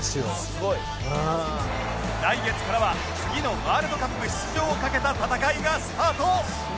すごい！来月からは次のワールドカップ出場をかけた戦いがスタート！